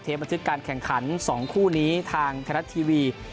เทปบันทึกการแข่งขันสองคู่นี้ทางธนรัฐทีวี